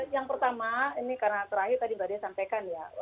yang pertama ini karena terakhir tadi mbak dea sampaikan ya